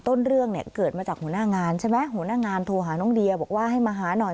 ต้นเรื่องเนี่ยเกิดมาจากหัวหน้างานใช่ไหมหัวหน้างานโทรหาน้องเดียบอกว่าให้มาหาหน่อย